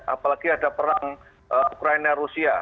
apalagi ada perang ukraina rusia